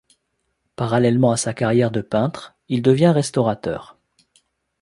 Parallèlement à sa carrière de peintre, il devient restaurateur.